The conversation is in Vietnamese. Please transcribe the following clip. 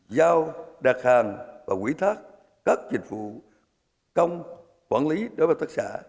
giao đặt hàng và quỹ thác các dịch vụ công quản lý đối với hợp tác xã